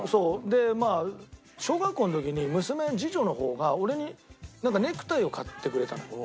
でまあ小学校の時に娘次女の方が俺にネクタイを買ってくれたのよ。